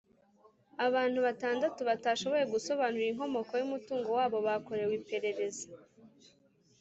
abantu batandatu batashoboye gusobanura inkomoko y’umutungo wabo bakorewe iperereza,